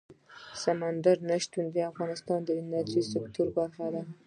سمندر نه شتون د افغانستان د انرژۍ سکتور برخه ده.